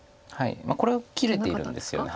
これは切れているんです。